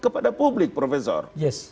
kepada publik profesor